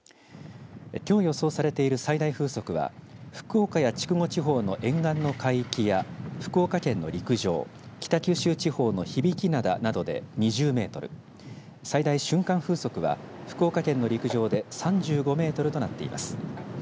きょう予想されている最大風速は福岡や筑後地方の沿岸の海域や福岡県の陸上、北九州地方の響灘などで２０メートル、最大瞬間風速は福岡県の陸上で３５メートルとなっています。